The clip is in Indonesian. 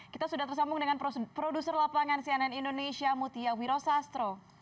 kita sudah tersambung dengan produser lapangan cnn indonesia mutia wirosastro